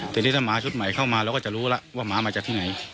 ทีนี้ถ้าหมาชุดใหม่เข้ามาเราก็จะรู้แล้วว่าหมามาจากที่ไหน